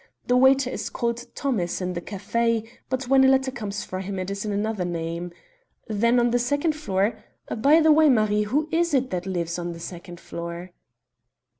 The waiter is called 'Thomas' in the café, but when a letter comes for him it is in another name. Then, on the second floor by the way, Marie, who is it that lives on the second floor?"